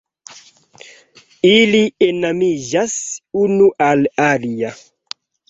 Ili enamiĝas unu al alia.